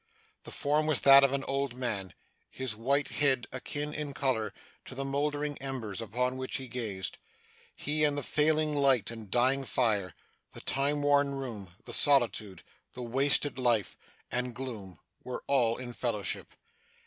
The form was that of an old man, his white head akin in colour to the mouldering embers upon which he gazed. He, and the failing light and dying fire, the time worn room, the solitude, the wasted life, and gloom, were all in fellowship.